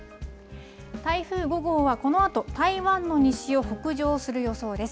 台風５号は、このあと台湾の西を北上する予想です。